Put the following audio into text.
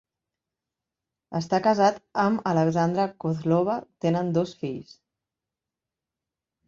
Està casat amb Alexandra Kozlova, tenen dos fills.